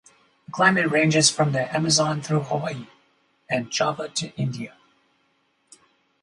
The climate ranges from the Amazon through Hawaii and Java to India.